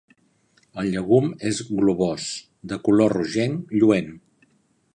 El llegum és globós, de color rogenc lluent.